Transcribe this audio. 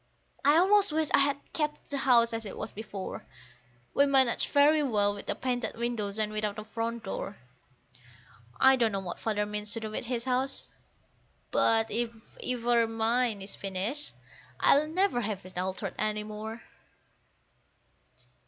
I almost wish I had kept the house as it was before; We managed very well with a painted window and without a front door. I don't know what Father means to do with his house, but if ever mine is finished, I'll never have it altered any more.